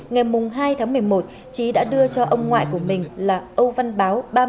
ngày hai tháng một mươi một trí đã đưa cho ông ngoại của mình là âu văn báo